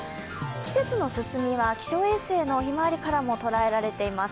季節の進みは気象衛星のひまわりからも捉えられています。